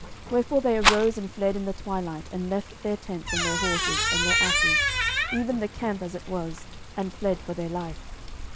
12:007:007 Wherefore they arose and fled in the twilight, and left their tents, and their horses, and their asses, even the camp as it was, and fled for their life.